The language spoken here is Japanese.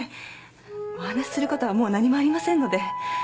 お話することはもう何もありませんので。